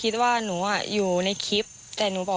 ใช่ค่ะ